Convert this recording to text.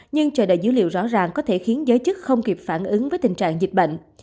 nhưng chờ đợi dữ liệu rõ ràng có thể khiến giới chức không kịp phản ứng với tình trạng dịch bệnh